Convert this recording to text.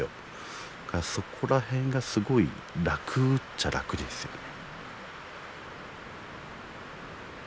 だからそこら辺がすごい楽っちゃ楽ですよね。